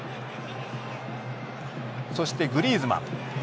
そしてグリーズマン。